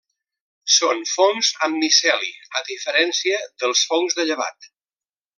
Són fongs amb miceli a diferència dels fongs de llevat.